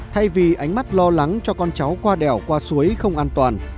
thay vì ánh mắt lo lắng cho con cháu qua đèo qua suối không an toàn